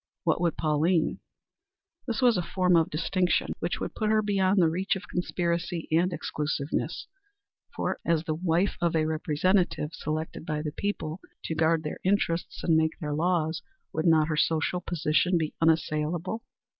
What would Pauline? This was a form of distinction which would put her beyond the reach of conspiracy and exclusiveness; for, as the wife of a representative, selected by the people to guard their interests and make their laws, would not her social position be unassailable?